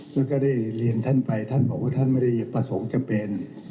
แล้วก็ได้เรียนท่านไปท่านไม่ได้พาโสงจะเป็น